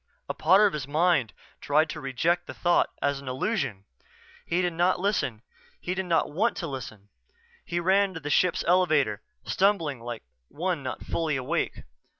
A part of his mind tried to reject the thought as an illusion. He did not listen he did not want to listen. He ran to the ship's elevator, stumbling like one not fully awake.